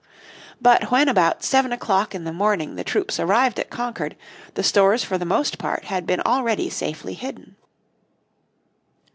But when about seven o'clock in the morning the troops arrived at Concord the stores for the most part had been already safely hidden.